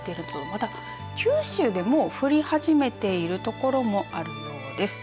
また、九州でも降り始めている所もあるようです。